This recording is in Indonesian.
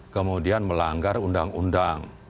kemudian melanggar undang undang